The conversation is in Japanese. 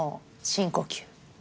深呼吸。